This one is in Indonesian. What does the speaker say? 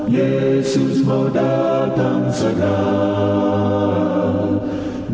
yesus mau datang segera